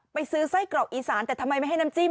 ไปซื้อไส้กรอกอีสานแต่ทำไมไม่ให้น้ำจิ้